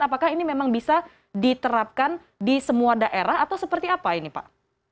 apakah ini memang bisa diterapkan di semua daerah atau seperti apa ini pak